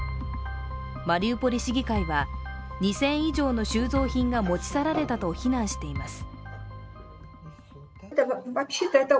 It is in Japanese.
マリウポリ市議会は２０００以上の収蔵品が持ち去られたと非難しています。